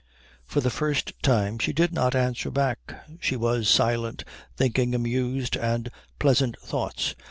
For the first time she did not answer back; she was silent, thinking amused and pleasant thoughts.